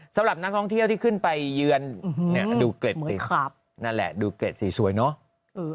สำหรับนักท่องเที่ยวที่ขึ้นไปเยือนดูเกล็ดสวยเนอะ